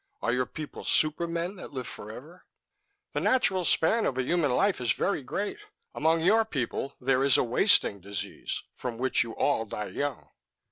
Are your people supermen that live forever?" "The natural span of a human life is very great. Among your people, there is a wasting disease from which you all die young."